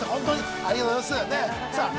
ありがとうございます。